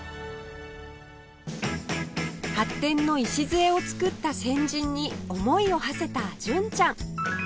発展の礎を作った先人に思いをはせた純ちゃん